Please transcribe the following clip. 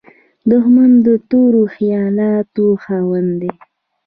دښمن د تورو خیالاتو خاوند وي